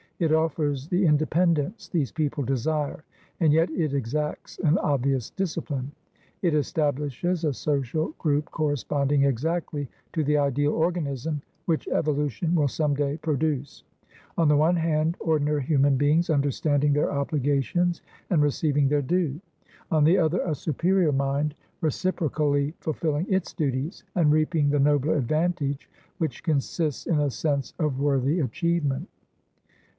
It offers the independence these people desire, and yet it exacts an obvious discipline. It establishes a social group corresponding exactly to the ideal organism which evolution will some day produce: on the one hand ordinary human beings understanding their obligations and receiving their due; on the other, a superior mind, reciprocally fulfilling its duties, and reaping the nobler advantage which consists in a sense of worthy achievement."